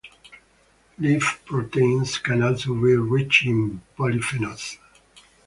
Leaf proteins can also be rich in polyphenols.